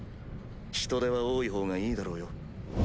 人手は多い方がいいだろうよ。